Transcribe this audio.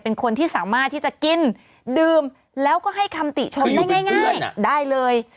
เป็นคนที่สามารถที่จะกินดื่มแล้วก็ให้คำติชมได้ง่ายได้เลย